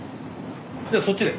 じゃあそっちで。